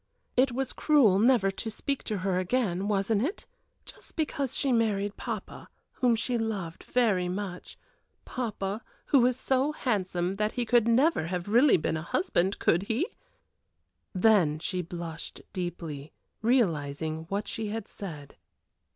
It was cruel never to speak to her again wasn't it? just because she married papa, whom she loved very much papa, who is so handsome that he could never have really been a husband, could he?" Then she blushed deeply, realizing what she had said.